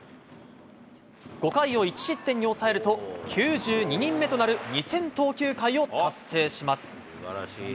５回を１失点に抑えると、９２人目となる２０００投球回を達成します。